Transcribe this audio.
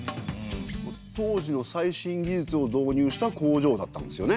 当時の最新技術を導入した工場だったんですよね？